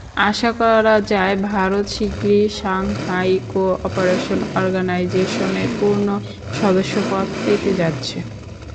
আশা করা যায়, ভারত শিগগিরই সাংহাই কো-অপারেশন অর্গানাইজেশনের পূর্ণ সদস্যপদ পেতে যাচ্ছে।